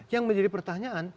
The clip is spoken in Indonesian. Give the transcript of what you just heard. yang menjadi pertanyaan